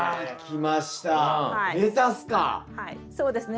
はいそうですね。